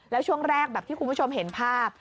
แล้วช่วงแรกแบบที่คุณผู้ชมเห็นภาพ